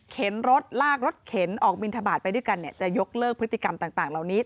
รถลากรถเข็นออกบินทบาทไปด้วยกันจะยกเลิกพฤติกรรมต่างเหล่านี้